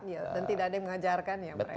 dan tidak ada yang mengajarkan ya mereka